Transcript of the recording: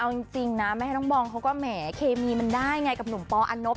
เอาจริงนะแม่น้องบองเขาก็แหมเคมีมันได้ไงกับหนุ่มปออันนบ